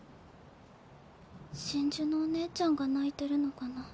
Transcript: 真珠のおねえちゃんが泣いてるのかな？